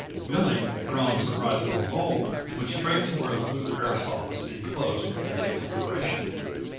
Billy, grown surprisingly bold, went straight to where the blue parasol was being closed with dainty deliberation.